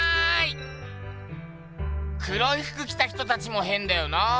黒いふく着た人たちもへんだよな。